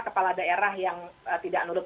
kepala daerah yang tidak nurut